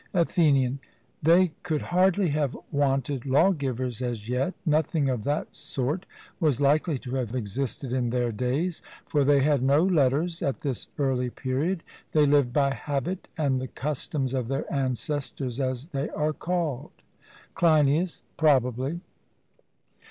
ATHENIAN: They could hardly have wanted lawgivers as yet; nothing of that sort was likely to have existed in their days, for they had no letters at this early period; they lived by habit and the customs of their ancestors, as they are called. CLEINIAS: Probably.